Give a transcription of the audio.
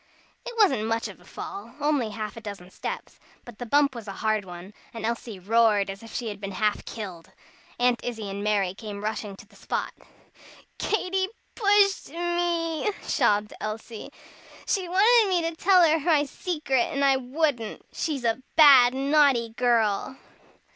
It wasn't much of a fall, only half a dozen steps, but the bump was a hard one, and Elsie roared as if she had been half killed. Aunt Izzie and Mary came rushing to the spot. "Katy pushed me," sobbed Elsie. "She wanted me to tell her my secret, and I wouldn't. She's a bad, naughty girl!"